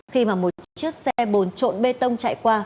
khi mà một chiếc xe bồn trộn bê tông chạy qua